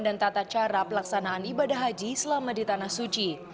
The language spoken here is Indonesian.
dan tata cara pelaksanaan ibadah haji selama di tanah suci